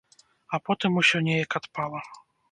А потым усё неяк адпала.